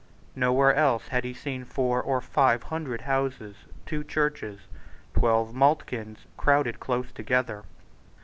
Nowhere else had he seen four or five hundred houses, two churches, twelve maltkilns, crowded close together.